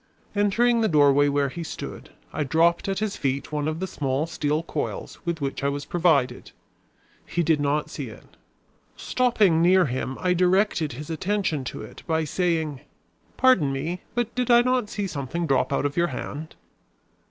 Entering the doorway where he stood, I dropped at his feet one of the small steel coils with which I was provided. He did not see it. Stopping near him I directed his attention to it by saying: "Pardon me, but did I not see something drop out of your hand?"